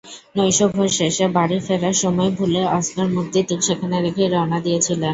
নৈশভোজ শেষে বাড়ি ফেরার সময় ভুলে অস্কার মূর্তিটি সেখানে রেখেই রওনা দিয়েছিলেন।